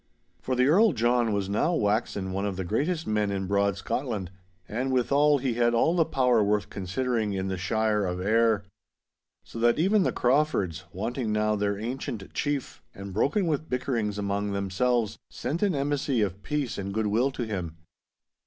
For the Earl John was now waxen one of the greatest men in broad Scotland, and withal he had all the power worth considering in the shire of Ayr. So that even the Craufords, wanting now their ancient chief, and broken with bickerings among themselves, sent an embassy of peace and goodwill to him.